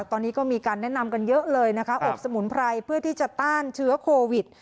ตอนนี้ก็มีการแนะนำกันเยอะเลยนะคะอบสมุนไพรเพื่อที่จะต้านเชื้อโควิด